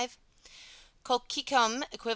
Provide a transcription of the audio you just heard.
v Colchicum, Equiv.